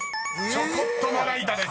「ちょこっとまな板」です］